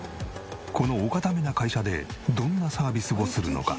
このお堅めな会社でどんなサービスをするのか？